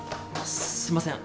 すいません。